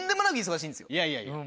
いやいやいや。